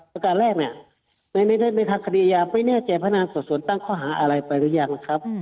ประกาศแรกในทางคดีอาญาไม่แน่ใจพนักศึกษวนตั้งข้อหาอะไรไปหรือยังครับ